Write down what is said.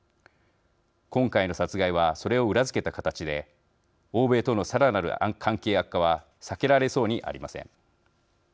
今回の殺害はそれを裏づけた形で欧米とのさらなる関係悪化は避けられそうにありません。